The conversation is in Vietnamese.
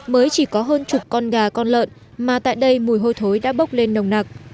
mới chỉ có hơn chục con gà con lợn mà tại đây mùi hôi thối đã bốc lên nồng nặc